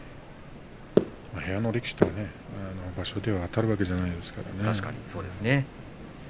部屋の力士は本場所であたるわけではないですからね。